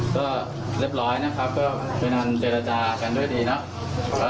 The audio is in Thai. ก็เรียบร้อยนะครับก็ด้วยนั่นเจรจากันด้วยดีนะ